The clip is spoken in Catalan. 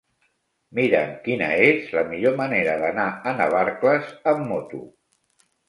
Mira'm quina és la millor manera d'anar a Navarcles amb moto.